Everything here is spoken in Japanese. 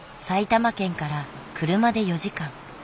埼玉県から車で４時間。